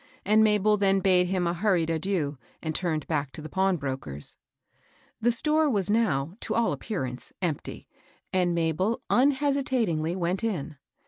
and Mabel then bade him a hurried adien, and turned back to the pawnbroker's. The store was now, to all appearance, empty, and Mabel unhesitatingly went in.